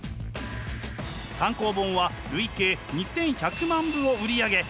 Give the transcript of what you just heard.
単行本は累計２，１００万部を売り上げ堂々完結。